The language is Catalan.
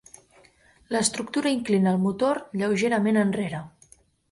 L'estructura inclina el motor lleugerament enrere.